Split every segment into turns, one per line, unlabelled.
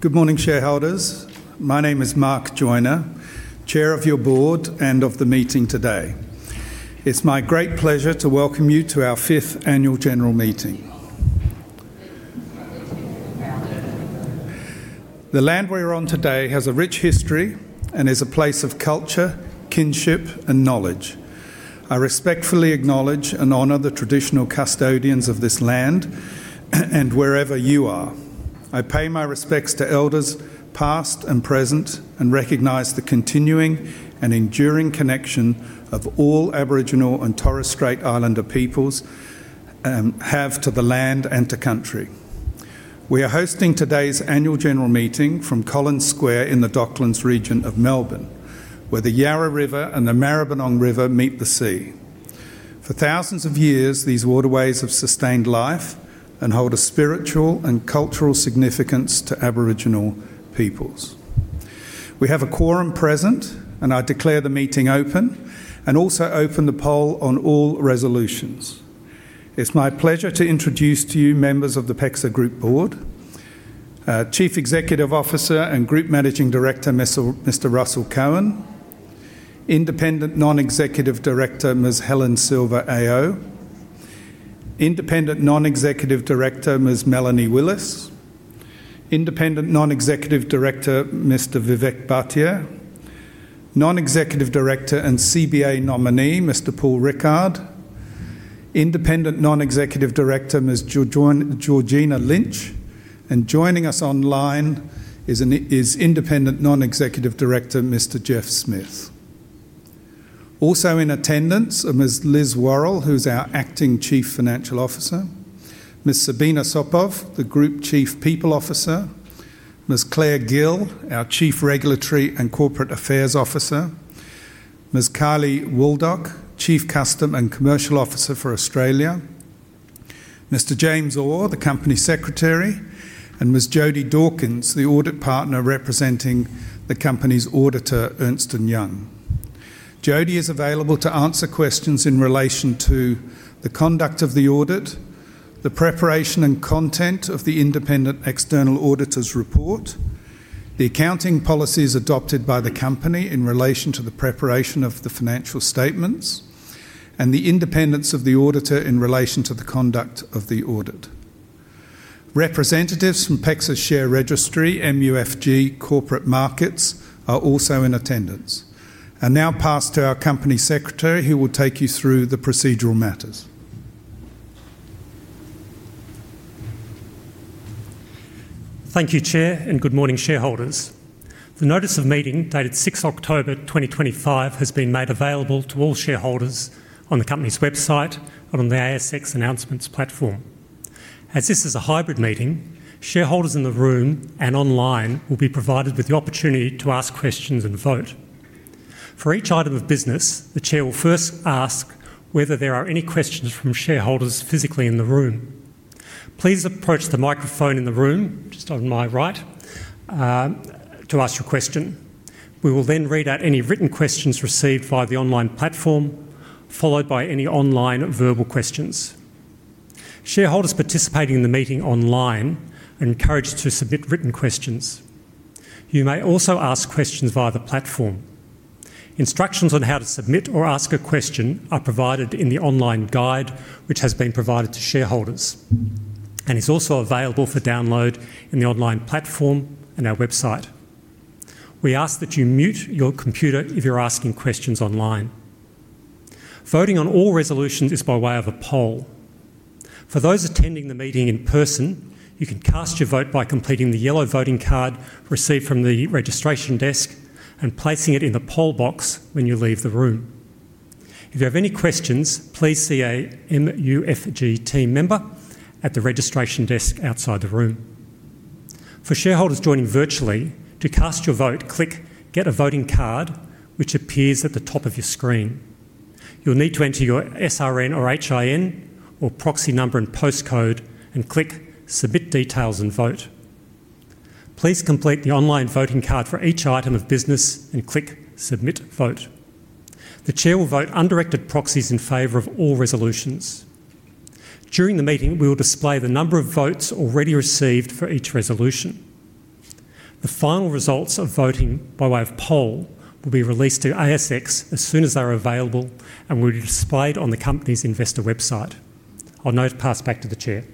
Good morning, shareholders. My name is Mark Joiner, Chair of your Board and of the meeting today. It's my great pleasure to welcome you to our fifth annual general meeting. The land we're on today has a rich history and is a place of culture, kinship, and knowledge. I respectfully acknowledge and honor the traditional custodians of this land and wherever you are. I pay my respects to elders past and present and recognize the continuing and enduring connection all Aboriginal and Torres Strait Islander peoples have to the land and to country. We are hosting today's annual general meeting from Collins Square in the Docklands region of Melbourne, where the Yarra River and the Maribyrnong River meet the sea. For thousands of years, these waterways have sustained life and hold a spiritual and cultural significance to Aboriginal peoples. We have a quorum present, and I declare the meeting open and also open the poll on all resolutions. It's my pleasure to introduce to you members of the PEXA Group Board: Chief Executive Officer and Group Managing Director, Mr. Russell Cohen; Independent Non-Executive Director, Ms. Helen Silver, AO; Independent Non-Executive Director, Ms. Melanie Willis; Independent Non-Executive Director, Mr. Vivek Bhatia; Non-Executive Director and CBA nominee, Mr. Paul Rickard; Independent Non-Executive Director, Ms. Georgina Lynch; and joining us online is Independent Non-Executive Director, Mr. Jeff Smith. Also in attendance are Ms. Liz Warrell, who's our Acting Chief Financial Officer; Ms. Sabina Sopov, the Group Chief People Officer; Ms. Claire Gill, our Chief Regulatory and Corporate Affairs Officer; Ms. Kylie Waldock, Chief Customer and Commercial Officer for Australia; Mr. James Orr, the Company Secretary; and Ms. Jodie Dawkins, the Audit Partner representing the Company's auditor, Ernst & Young. Jodie is available to answer questions in relation to the conduct of the audit, the preparation and content of the Independent External Auditor's report, the accounting policies adopted by the Company in relation to the preparation of the financial statements, and the independence of the auditor in relation to the conduct of the audit. Representatives from PEXA's share registry, MUFG Corporate Markets, are also in attendance. I now pass to our Company Secretary, who will take you through the procedural matters.
Thank you, Chair, and good morning, shareholders. The notice of meeting dated 6th October 2025 has been made available to all shareholders on the Company's website and on the ASX announcements platform. As this is a hybrid meeting, shareholders in the room and online will be provided with the opportunity to ask questions and vote. For each item of business, the Chair will first ask whether there are any questions from shareholders physically in the room. Please approach the microphone in the room, just on my right, to ask your question. We will then read out any written questions received via the online platform, followed by any online verbal questions. Shareholders participating in the meeting online are encouraged to submit written questions. You may also ask questions via the platform. Instructions on how to submit or ask a question are provided in the online guide, which has been provided to shareholders, and is also available for download in the online platform and our website. We ask that you mute your computer if you're asking questions online. Voting on all resolutions is by way of a poll. For those attending the meeting in person, you can cast your vote by completing the yellow voting card received from the registration desk and placing it in the poll box when you leave the room. If you have any questions, please see a MUFG team member at the registration desk outside the room. For shareholders joining virtually, to cast your vote, click Get a Voting Card, which appears at the top of your screen. You'll need to enter your SRN or HIN or proxy number and postcode and click Submit Details and Vote. Please complete the online voting card for each item of business and click Submit Vote. The Chair will vote undirected proxies in favor of all resolutions. During the meeting, we will display the number of votes already received for each resolution. The final results of voting by way of poll will be released to ASX as soon as they are available and will be displayed on the Company's investor website. I'll now pass back to the Chair.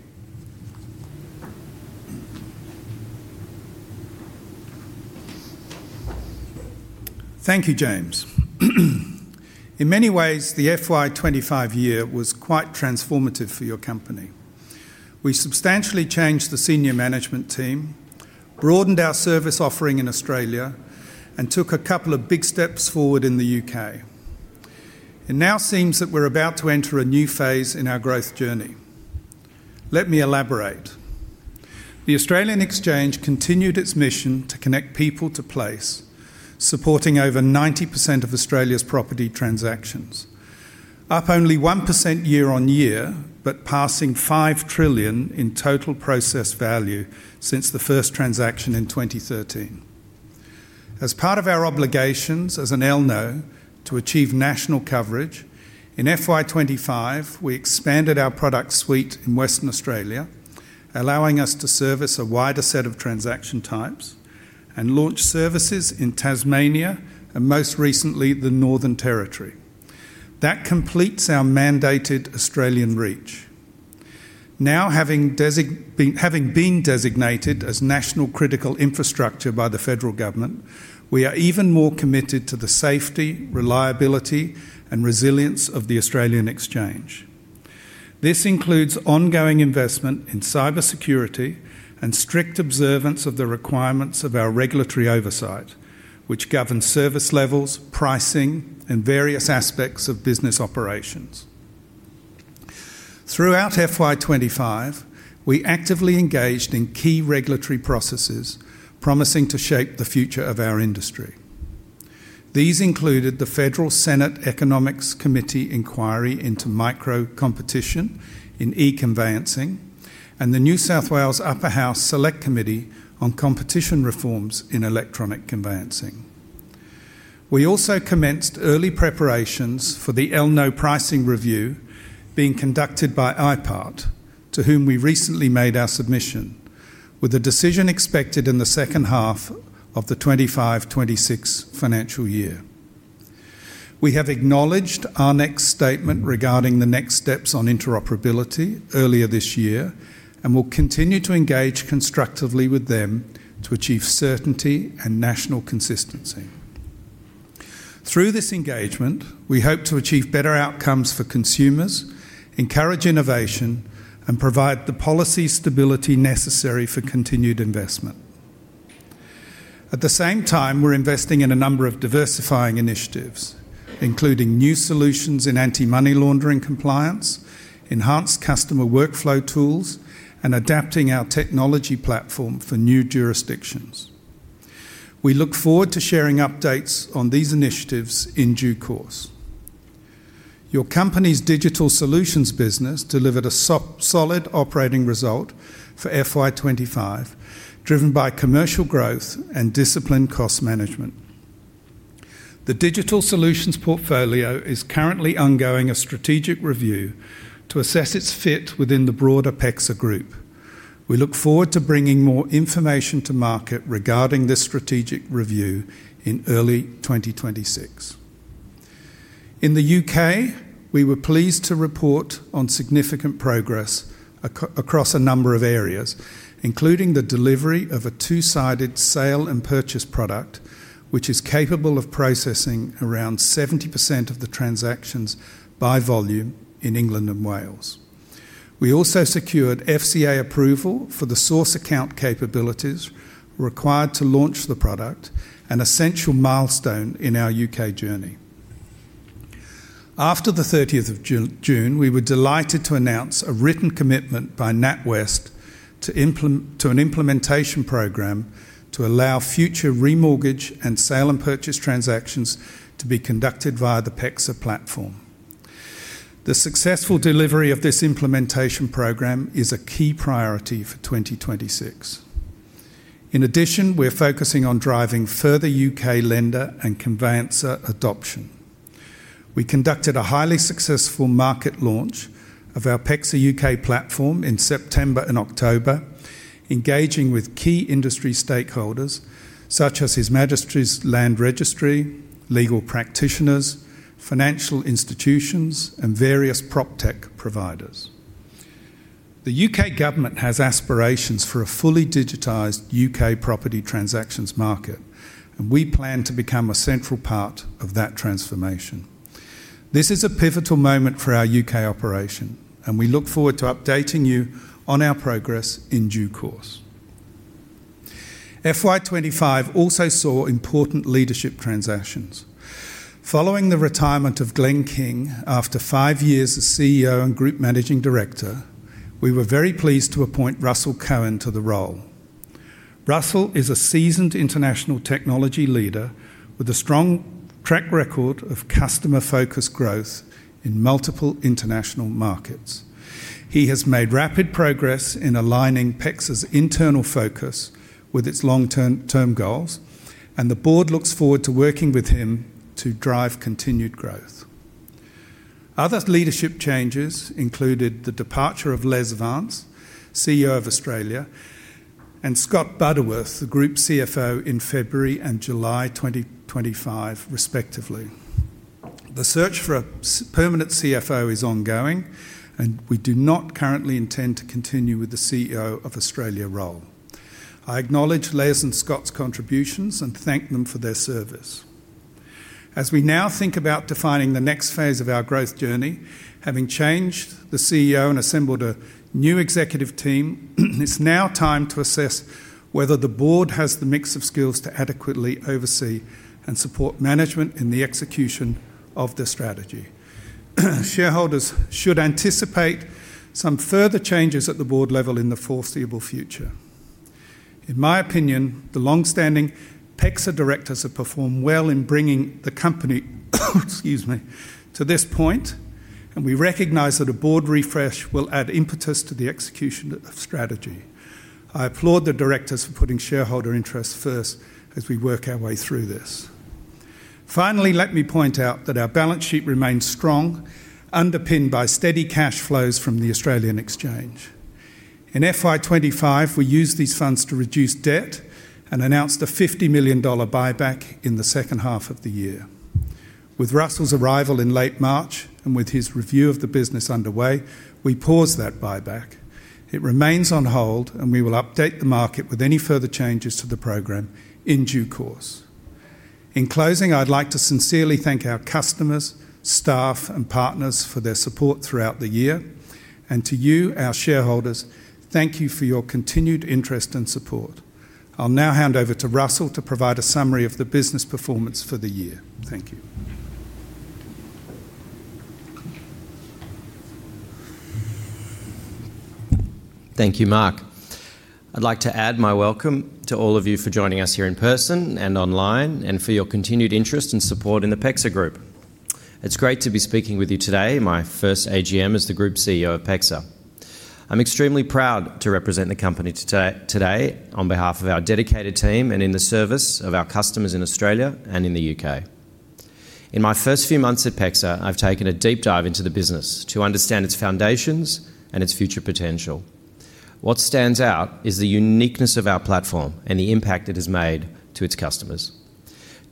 Thank you, James. In many ways, the FY 2025 year was quite transformative for your company. We substantially changed the senior management team, broadened our service offering in Australia, and took a couple of big steps forward in the U.K. It now seems that we're about to enter a new phase in our growth journey. Let me elaborate. The Australian Exchange continued its mission to connect people to place, supporting over 90% of Australia's property transactions, up only 1% year-on-year, but passing 5 trillion in total process value since the first transaction in 2013. As part of our obligations as an LNO to achieve national coverage, in FY 2025, we expanded our product suite in Western Australia, allowing us to service a wider set of transaction types and launch services in Tasmania and most recently the Northern Territory. That completes our mandated Australian reach. Now, having been designated as National Critical Infrastructure by the Federal Government, we are even more committed to the safety, reliability, and resilience of the Australian Exchange. This includes ongoing investment in cybersecurity and strict observance of the requirements of our regulatory oversight, which governs service levels, pricing, and various aspects of business operations. Throughout FY 2025, we actively engaged in key regulatory processes promising to shape the future of our industry. These included the Federal Senate Economics Committee inquiry into micro-competition in e-conveyancing and the New South Wales Upper House Select Committee on Competition Reforms in Electronic Conveyancing. We also commenced early preparations for the LNO pricing review being conducted by IPART, to whom we recently made our submission, with a decision expected in the second half of the 2025, 2026 financial year. We have acknowledged our next statement regarding the next steps on interoperability earlier this year and will continue to engage constructively with them to achieve certainty and national consistency. Through this engagement, we hope to achieve better outcomes for consumers, encourage innovation, and provide the policy stability necessary for continued investment. At the same time, we're investing in a number of diversifying initiatives, including new solutions in anti-money laundering compliance, enhanced customer workflow tools, and adapting our technology platform for new jurisdictions. We look forward to sharing updates on these initiatives in due course. Your company's digital solutions business delivered a solid operating result for FY 2025, driven by commercial growth and disciplined cost management. The digital solutions portfolio is currently undergoing a strategic review to assess its fit within the broader PEXA Group. We look forward to bringing more information to market regarding this strategic review in early 2026. In the U.K., we were pleased to report on significant progress across a number of areas, including the delivery of a two-sided sale and purchase product, which is capable of processing around 70% of the transactions by volume in England and Wales. We also secured FCA approval for the source account capabilities required to launch the product, an essential milestone in our U.K. journey. After the 30th of June, we were delighted to announce a written commitment by NatWest to an implementation program to allow future remortgage and sale and purchase transactions to be conducted via the PEXA platform. The successful delivery of this implementation program is a key priority for 2026. In addition, we're focusing on driving further U.K. lender and conveyancer adoption. We conducted a highly successful market launch of our PEXA U.K. platform in September and October, engaging with key industry stakeholders such as His Majesty's Land Registry, legal practitioners, financial institutions, and various proptech providers. The U.K. government has aspirations for a fully digitized U.K. property transactions market, and we plan to become a central part of that transformation. This is a pivotal moment for our U.K. operation, and we look forward to updating you on our progress in due course. FY 2025 also saw important leadership transactions. Following the retirement of Glenn King after five years as CEO and Group Managing Director, we were very pleased to appoint Russell Cohen to the role. Russell is a seasoned international technology leader with a strong track record of customer-focused growth in multiple international markets. He has made rapid progress in aligning PEXA's internal focus with its long-term goals, and the board looks forward to working with him to drive continued growth. Other leadership changes included the departure of Les Vance, CEO of Australia, and Scott Butterworth, the Group CFO, in February and July 2025, respectively. The search for a permanent CFO is ongoing, and we do not currently intend to continue with the CEO of Australia role. I acknowledge Les and Scott's contributions and thank them for their service. As we now think about defining the next phase of our growth journey, having changed the CEO and assembled a new executive team, it's now time to assess whether the board has the mix of skills to adequately oversee and support management in the execution of the strategy. Shareholders should anticipate some further changes at the board level in the foreseeable future. In my opinion, the long-standing PEXA directors have performed well in bringing the Company to this point, and we recognize that a board refresh will add impetus to the execution of strategy. I applaud the directors for putting shareholder interests first as we work our way through this. Finally, let me point out that our balance sheet remains strong, underpinned by steady cash flows from the Australian Exchange. In FY 2025, we used these funds to reduce debt and announced an 50 million dollar buyback in the second half of the year. With Russell's arrival in late March and with his review of the business underway, we paused that buyback. It remains on hold, and we will update the market with any further changes to the program in due course. In closing, I'd like to sincerely thank our customers, staff, and partners for their support throughout the year, and to you, our shareholders, thank you for your continued interest and support. I'll now hand over to Russell to provide a summary of the business performance for the year. Thank you.
Thank you, Mark. I'd like to add my welcome to all of you for joining us here in person and online and for your continued interest and support in the PEXA Group. It's great to be speaking with you today, my first AGM as the Group CEO of PEXA. I'm extremely proud to represent the company today on behalf of our dedicated team and in the service of our customers in Australia and in the U.K. In my first few months at PEXA, I've taken a deep dive into the business to understand its foundations and its future potential. What stands out is the uniqueness of our platform and the impact it has made to its customers.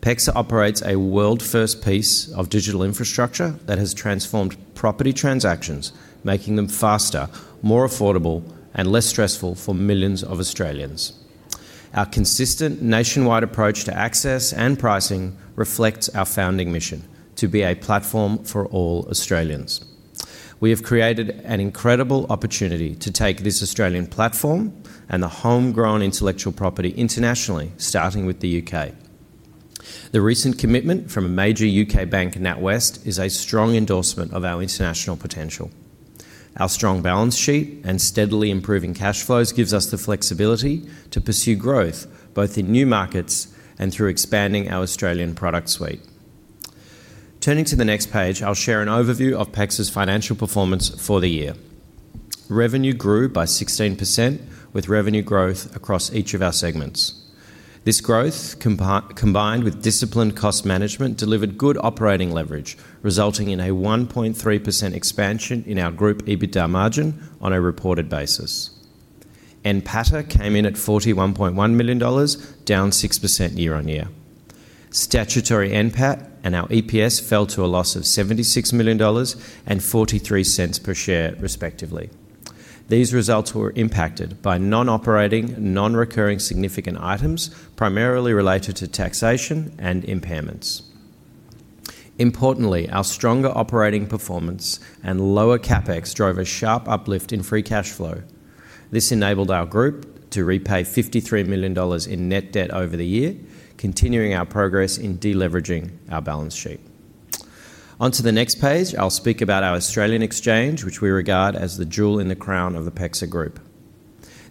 PEXA operates a world-first piece of digital infrastructure that has transformed property transactions, making them faster, more affordable, and less stressful for millions of Australians. Our consistent nationwide approach to access and pricing reflects our founding mission to be a platform for all Australians. We have created an incredible opportunity to take this Australian platform and the homegrown intellectual property internationally, starting with the U.K. The recent commitment from a major U.K. bank, NatWest, is a strong endorsement of our international potential. Our strong balance sheet and steadily improving cash flows give us the flexibility to pursue growth both in new markets and through expanding our Australian product suite. Turning to the next page, I'll share an overview of PEXA's financial performance for the year. Revenue grew by 16%, with revenue growth across each of our segments. This growth, combined with disciplined cost management, delivered good operating leverage, resulting in a 1.3% expansion in our Group EBITDA margin on a reported basis. NPATA came in at 41.1 million dollars, down 6% year-on-year. Statutory NPAT and our EPS fell to a loss of 76 million dollars and 0.43 per share, respectively. These results were impacted by non-operating, non-recurring significant items primarily related to taxation and impairments. Importantly, our stronger operating performance and lower CapEx drove a sharp uplift in free cash flow. This enabled our Group to repay 53 million dollars in net debt over the year, continuing our progress in deleveraging our balance sheet. Onto the next page, I'll speak about our Australian Exchange, which we regard as the jewel in the crown of the PEXA Group.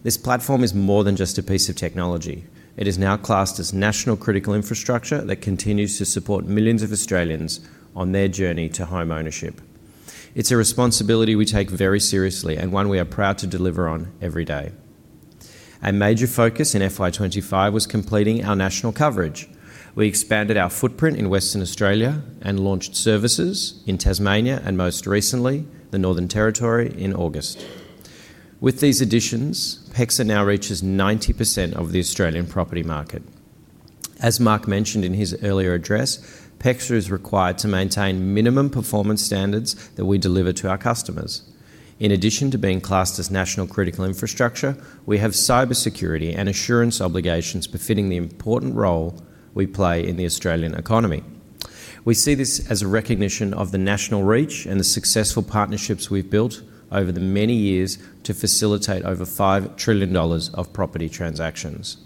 This platform is more than just a piece of technology. It is now classed as National Critical Infrastructure that continues to support millions of Australians on their journey to home ownership. It's a responsibility we take very seriously and one we are proud to deliver on every day. A major focus in FY 2025 was completing our national coverage. We expanded our footprint in Western Australia and launched services in Tasmania and, most recently, the Northern Territory in August. With these additions, PEXA now reaches 90% of the Australian property market. As Mark mentioned in his earlier address, PEXA is required to maintain minimum performance standards that we deliver to our customers. In addition to being classed as National Critical Infrastructure, we have cybersecurity and assurance obligations befitting the important role we play in the Australian economy. We see this as a recognition of the national reach and the successful partnerships we've built over the many years to facilitate over 5 trillion dollars of property transactions.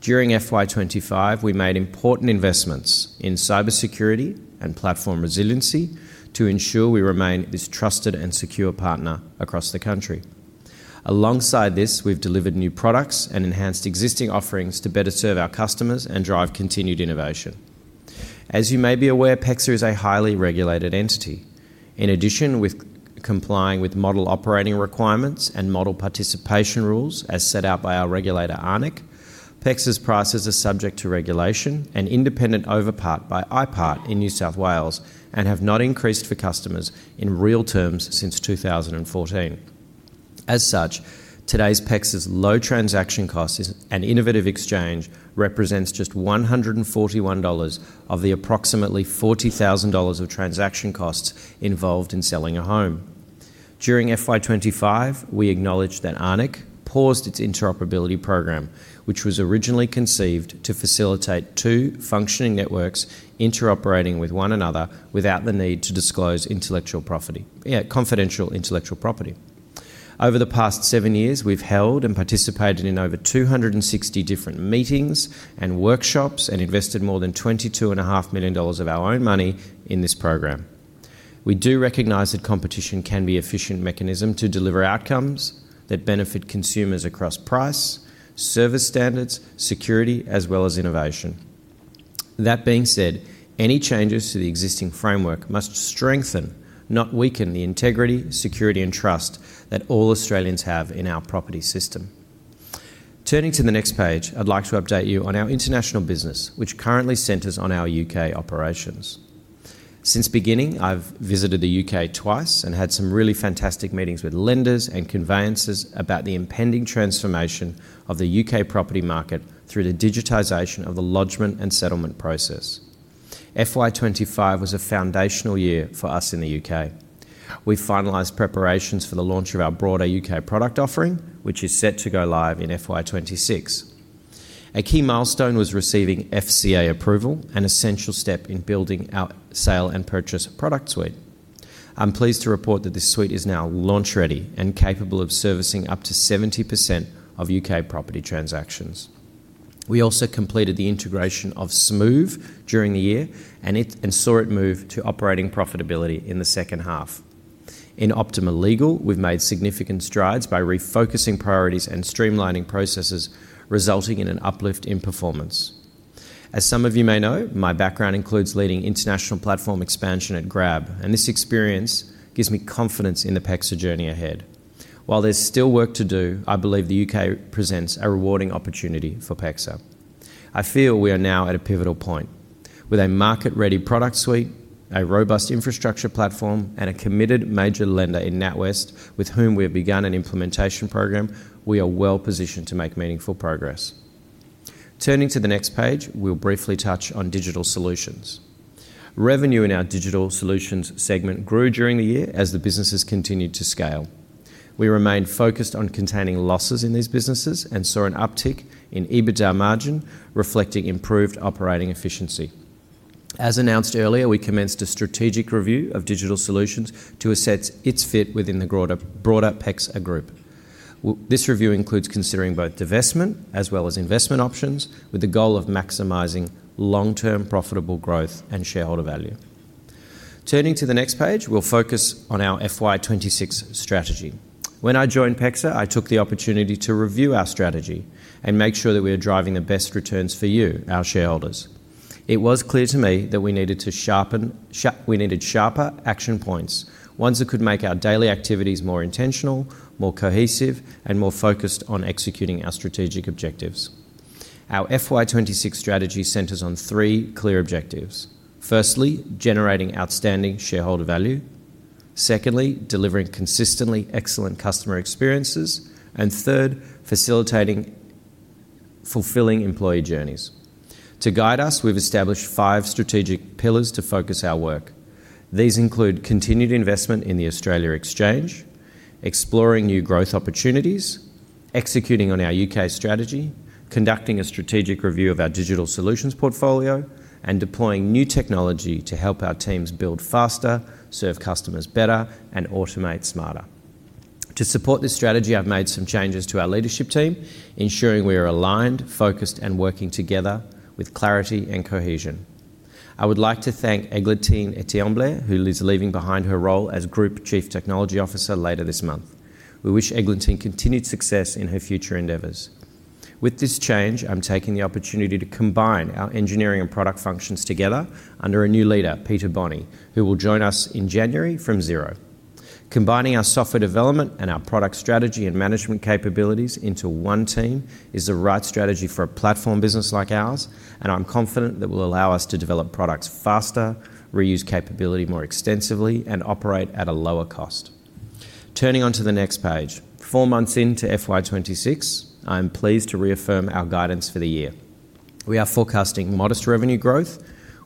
During FY 2025, we made important investments in cybersecurity and platform resiliency to ensure we remain this trusted and secure partner across the country. Alongside this, we've delivered new products and enhanced existing offerings to better serve our customers and drive continued innovation. As you may be aware, PEXA is a highly regulated entity. In addition, with complying with model operating requirements and model participation rules as set out by our regulator, ARNECC, PEXA's prices are subject to regulation and independent oversight by IPART in New South Wales and have not increased for customers in real terms since 2014. As such, today PEXA's low transaction costs and innovative exchange represents just 141 dollars of the approximately 40,000 dollars of transaction costs involved in selling a home. During FY 2025, we acknowledged that ARNECC paused its interoperability program, which was originally conceived to facilitate two functioning networks interoperating with one another without the need to disclose confidential intellectual property. Over the past seven years, we've held and participated in over 260 different meetings and workshops and invested more than 22.5 million dollars of our own money in this program. We do recognize that competition can be an efficient mechanism to deliver outcomes that benefit consumers across price, service standards, security, as well as innovation. That being said, any changes to the existing framework must strengthen, not weaken, the integrity, security, and trust that all Australians have in our property system. Turning to the next page, I'd like to update you on our international business, which currently centers on our U.K. operations. Since beginning, I've visited the U.K. twice and had some really fantastic meetings with lenders and conveyancers about the impending transformation of the U.K. property market through the digitization of the lodgment and settlement process. FY 2025 was a foundational year for us in the U.K. We finalized preparations for the launch of our broader U.K. product offering, which is set to go live in FY 2026. A key milestone was receiving FCA approval, an essential step in building our sale and purchase product suite. I'm pleased to report that this suite is now launch-ready and capable of servicing up to 70% of U.K. property transactions. We also completed the integration of Smoove during the year and saw it move to operating profitability in the second half. In Optima Legal, we've made significant strides by refocusing priorities and streamlining processes, resulting in an uplift in performance. As some of you may know, my background includes leading international platform expansion at Grab, and this experience gives me confidence in the PEXA journey ahead. While there's still work to do, I believe the U.K. presents a rewarding opportunity for PEXA. I feel we are now at a pivotal point. With a market-ready product suite, a robust infrastructure platform, and a committed major lender in NatWest with whom we have begun an implementation program, we are well positioned to make meaningful progress. Turning to the next page, we will briefly touch on digital solutions. Revenue in our digital solutions segment grew during the year as the businesses continued to scale. We remained focused on containing losses in these businesses and saw an uptick in EBITDA margin, reflecting improved operating efficiency. As announced earlier, we commenced a strategic review of digital solutions to assess its fit within the broader PEXA Group. This review includes considering both divestment as well as investment options, with the goal of maximizing long-term profitable growth and shareholder value. Turning to the next page, we will focus on our FY 2026 strategy. When I joined PEXA, I took the opportunity to review our strategy and make sure that we were driving the best returns for you, our shareholders. It was clear to me that we needed sharper action points, ones that could make our daily activities more intentional, more cohesive, and more focused on executing our strategic objectives. Our FY 2026 strategy centers on three clear objectives. Firstly, generating outstanding shareholder value. Secondly, delivering consistently excellent customer experiences. Third, facilitating fulfilling employee journeys. To guide us, we have established five strategic pillars to focus our work. These include continued investment in the Australia Exchange, exploring new growth opportunities, executing on our U.K. strategy, conducting a strategic review of our digital solutions portfolio, and deploying new technology to help our teams build faster, serve customers better, and automate smarter. To support this strategy, I've made some changes to our leadership team, ensuring we are aligned, focused, and working together with clarity and cohesion. I would like to thank Eglantine Etiemble, who is leaving behind her role as Group Chief Technology Officer later this month. We wish Eglantine continued success in her future endeavors. With this change, I'm taking the opportunity to combine our engineering and product functions together under a new leader, Peter Bonney, who will join us in January from Xero. Combining our software development and our product strategy and management capabilities into one team is the right strategy for a platform business like ours, and I'm confident that will allow us to develop products faster, reuse capability more extensively, and operate at a lower cost. Turning onto the next page, four months into FY 2026, I am pleased to reaffirm our guidance for the year. We are forecasting modest revenue growth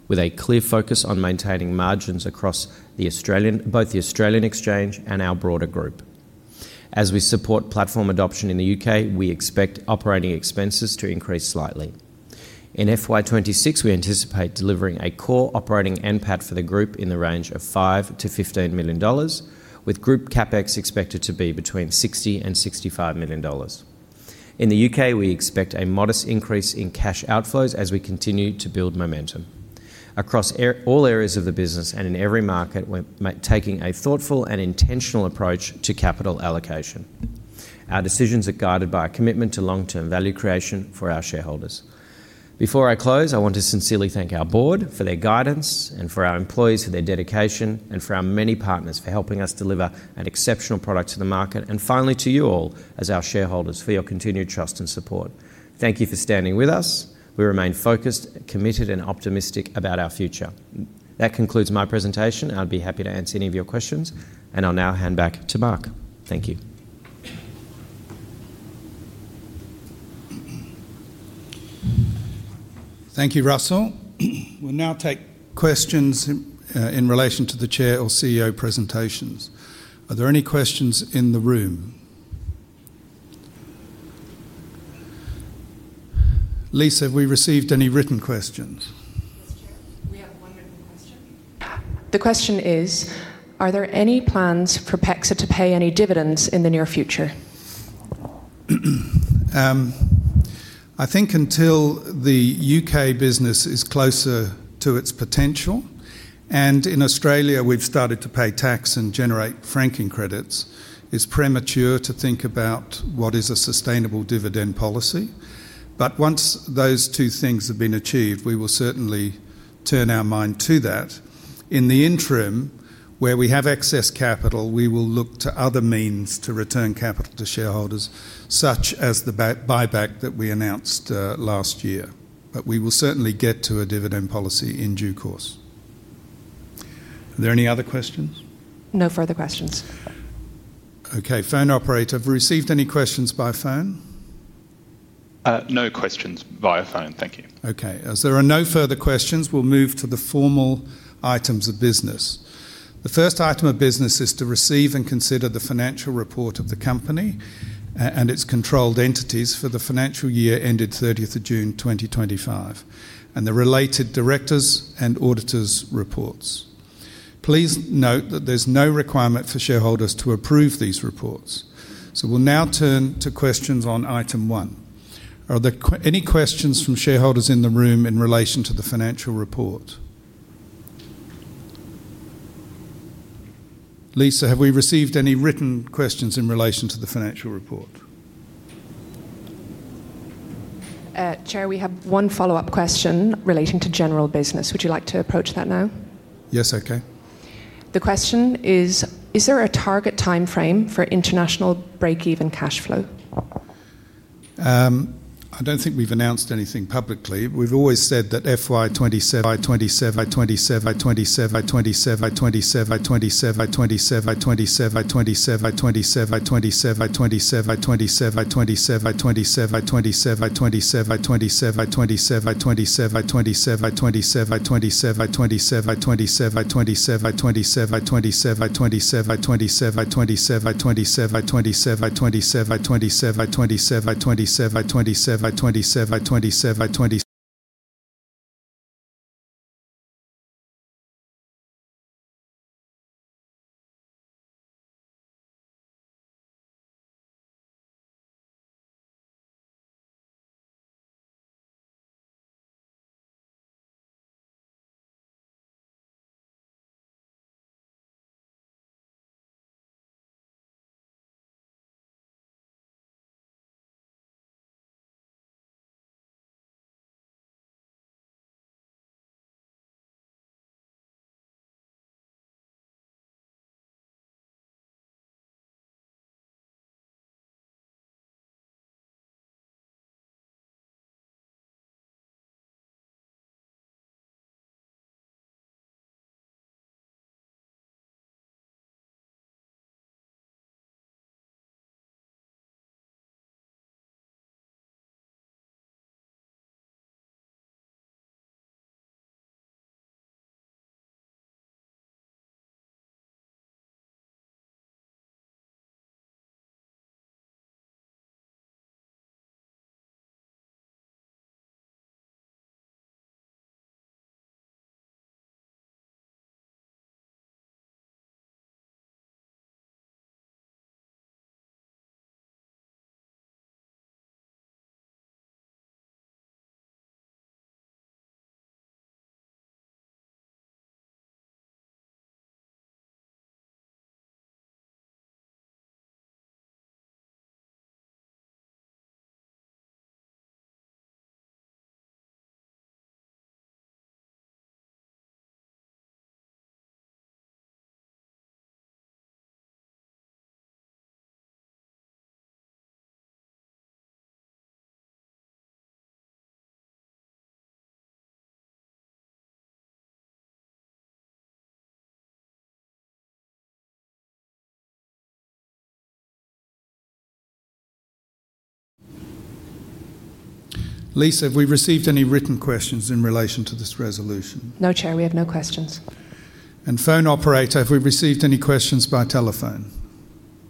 with a clear focus on maintaining margins across both the Australian Exchange and our broader Group. As we support platform adoption in the U.K., we expect operating expenses to increase slightly. In FY 2026, we anticipate delivering a core operating NPAT for the Group in the range of 5 million-15 million dollars, with Group CapEx expected to be between 60 million and 65 million dollars. In the U.K., we expect a modest increase in cash outflows as we continue to build momentum. Across all areas of the business and in every market, we're taking a thoughtful and intentional approach to capital allocation. Our decisions are guided by a commitment to long-term value creation for our shareholders. Before I close, I want to sincerely thank our Board for their guidance and for our employees for their dedication and for our many partners for helping us deliver an exceptional product to the market. Finally, to you all as our shareholders for your continued trust and support. Thank you for standing with us. We remain focused, committed, and optimistic about our future. That concludes my presentation. I'd be happy to answer any of your questions, and I'll now hand back to Mark. Thank you.
Thank you, Russell. We'll now take questions in relation to the Chair or CEO presentations. Are there any questions in the room? Lisa, have we received any written questions?
Yes, Chair. We have one written question. The question is, are there any plans for PEXA to pay any dividends in the near future?
I think until the U.K. business is closer to its potential and in Australia we've started to pay tax and generate franking credits, it's premature to think about what is a sustainable dividend policy. Once those two things have been achieved, we will certainly turn our mind to that. In the interim, where we have excess capital, we will look to other means to return capital to shareholders, such as the buyback that we announced last year. We will certainly get to a dividend policy in due course. Are there any other questions?
No further questions.
Okay. Phone operator, have we received any questions by phone?
No questions via phone. Thank you.
Okay. As there are no further questions, we'll move to the formal items of business. The first item of business is to receive and consider the financial report of the company and its controlled entities for the financial year ended 30th June 2025 and the related directors' and auditors' reports. Please note that there's no requirement for shareholders to approve these reports. We'll now turn to questions on item one. Are there any questions from shareholders in the room in relation to the financial report? Lisa, have we received any written questions in relation to the financial report?
Chair, we have one follow-up question relating to general business. Would you like to approach that now?
Yes, okay.
The question is, is there a target timeframe for international break-even cash flow?
I don't think we've announced anything publicly. We've always said that FY 2027. Lisa, have we received any written questions in relation to this resolution?
No, Chair. We have no questions.
Phone operator, have we received any questions by telephone?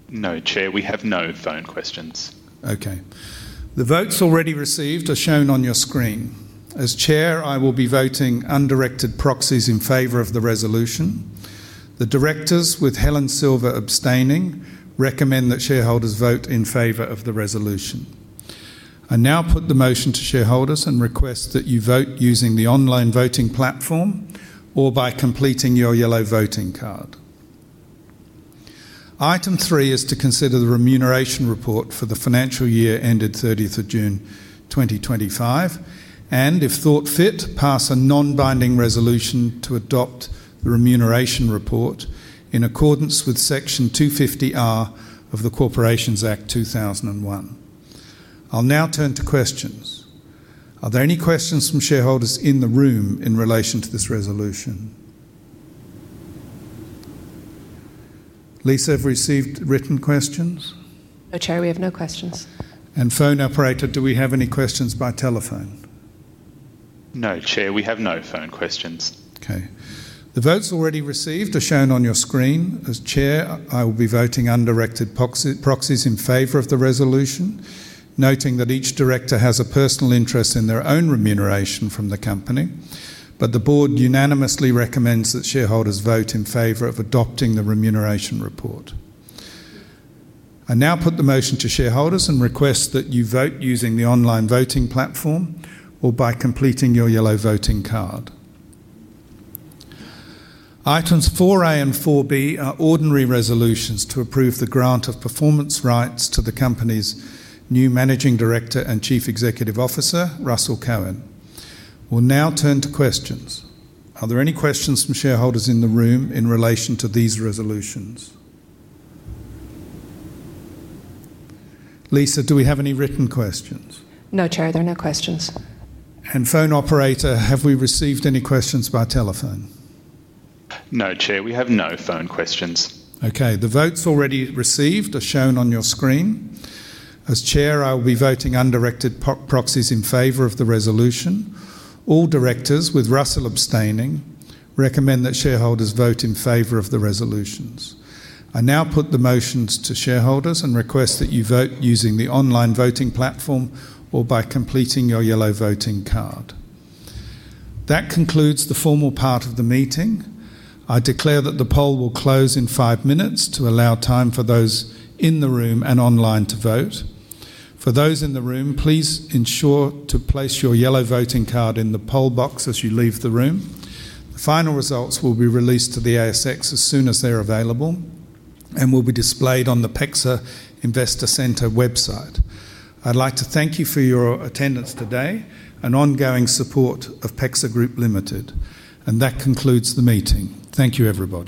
No, Chair. We have no phone questions.
Okay. The votes already received are shown on your screen. As Chair, I will be voting undirected proxies in favor of the resolution. The directors, with Helen Silver abstaining, recommend that shareholders vote in favor of the resolution. I now put the motion to shareholders and request that you vote using the online voting platform or by completing your yellow voting card. Item three is to consider the remuneration report for the financial year ended 30th June 2025 and, if thought fit, pass a non-binding resolution to adopt the remuneration report in accordance with Section 250(r) of the Corporations Act 2001. I'll now turn to questions. Are there any questions from shareholders in the room in relation to this resolution? Lisa, have we received written questions?
No, Chair. We have no questions.
Phone operator, do we have any questions by telephone?
No, Chair. We have no phone questions.
Okay. The votes already received are shown on your screen. As Chair, I will be voting undirected proxies in favor of the resolution, noting that each director has a personal interest in their own remuneration from the company, but the Board unanimously recommends that shareholders vote in favor of adopting the remuneration report. I now put the motion to shareholders and request that you vote using the online voting platform or by completing your yellow voting card. Items four A and four B are ordinary resolutions to approve the grant of performance rights to the company's new Managing Director and Chief Executive Officer, Russell Cohen. We'll now turn to questions. Are there any questions from shareholders in the room in relation to these resolutions? Lisa, do we have any written questions?
No, Chair. There are no questions.
Phone operator, have we received any questions by telephone?
No, Chair. We have no phone questions.
Okay. The votes already received are shown on your screen. As Chair, I will be voting undirected proxies in favor of the resolution. All directors, with Russell abstaining, recommend that shareholders vote in favor of the resolutions. I now put the motions to shareholders and request that you vote using the online voting platform or by completing your yellow voting card. That concludes the formal part of the meeting. I declare that the poll will close in five minutes to allow time for those in the room and online to vote. For those in the room, please ensure to place your yellow voting card in the poll box as you leave the room. The final results will be released to the ASX as soon as they're available and will be displayed on the PEXA Investor Centre website. I'd like to thank you for your attendance today and ongoing support of PEXA Group Limited. That concludes the meeting. Thank you, everybody.